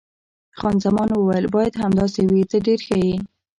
خان زمان وویل: باید همداسې وي، ته ډېر ښه یې.